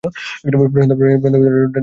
প্রশস্ত ডানায় ভর করে আকাশে ওড়ে।